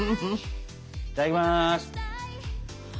いただきます。